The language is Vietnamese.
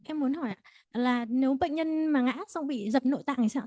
em muốn hỏi là nếu bệnh nhân mà ngã xong bị giật nội tạng thì sao